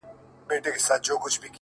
ما د وحشت په زمانه کي زندگې کړې ده،